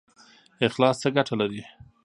اخلاص څه ګټه لري؟